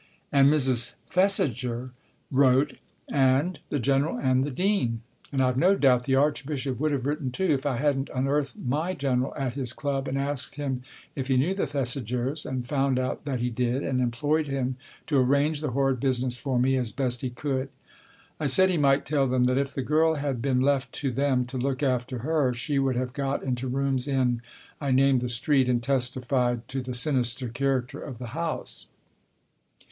And Mrs. Thesiger wrote, and 18 Tasker Jevons the General and the Dean ; and I've no doubt the Arch bishop would have written too, if I hadn't unearthed my General at his club, and asked him if he knew the Thesigers, and found out that he did, and implored him to arrange the horrid business for me as best he could. I said he might tell them that if the girl had been left to them to look after her, she would have got into rooms in I named the street, and testified to the sinister character of the house.